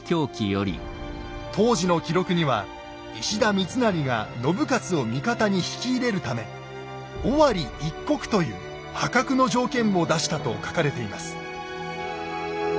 当時の記録には石田三成が信雄を味方に引き入れるため「尾張一国」という破格の条件を出したと書かれています。